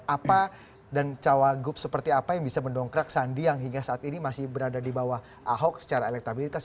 apa dan cawagup seperti apa yang bisa mendongkrak sandi yang hingga saat ini masih berada di bawah ahok secara elektabilitas